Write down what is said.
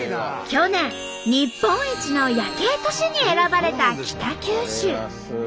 去年日本一の夜景都市に選ばれた北九州。